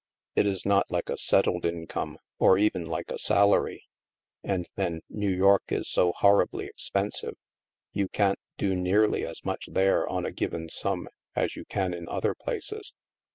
It is not like a settled income, or even like a salary. And then. New York is so horribly expensive. You can't do nearly as much there, on a given sum, as you can in other places."